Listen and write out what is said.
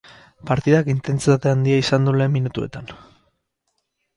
Partidak intentsitate handia izan du lehen minutuetan.